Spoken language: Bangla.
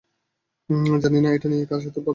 জানি না এটা নিয়ে কার সাথে কথা বলব।